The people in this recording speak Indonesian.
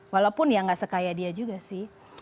walaupun ya nggak sekaya dia juga sih